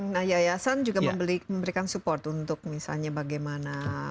nah yayasan juga memberikan support untuk misalnya bagaimana